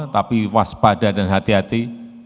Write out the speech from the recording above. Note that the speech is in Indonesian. tapi waspada dan hati hati